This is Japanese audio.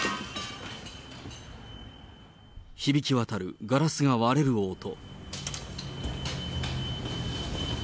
響き渡るガラスが割れる音。